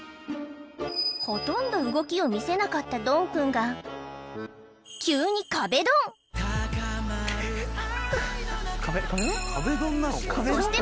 ほとんど動きを見せなかったドンくんが急に壁ドンそして